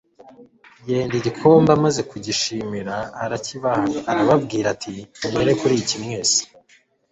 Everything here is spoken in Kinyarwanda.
Yenda igikombe, amaze kugishimira arakibaha, arababwira ati: mlunywere kuri iki mwese